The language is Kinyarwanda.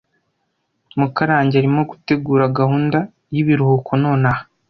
Mukarage arimo gutegura gahunda yibiruhuko nonaha.